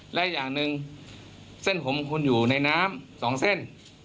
ไม่ได้และอย่างหนึ่งเส้นห่มคุณอยู่ในน้ำสองเส้น